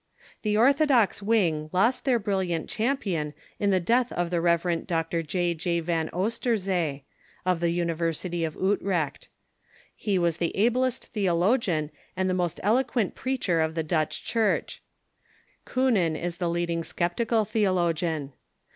The orthodox wing lost their brilliant cham pion in the death of the Rev. Dr. J. J. Van Oosterzee, of the University of Utrecht. He was the ablest theologian and the most eloquent preacher of the Dutch Church, Kuenen is the leading sceptical theologian.